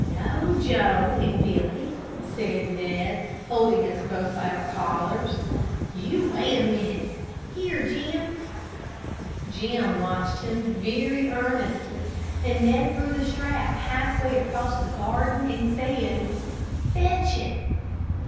"No, Joe and Billy," said Ned, holding us both by our collars; "you wait a minute. Here, Jim." Jim watched him very earnestly, and Ned threw the strap half way across the garden, and said, "Fetch it."